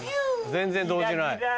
全然動じない。